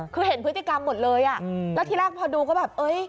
คือเห็นพฤติกรรมหมดเลยอ่ะแล้วทีแรกพอดูก็แบบเอ้ย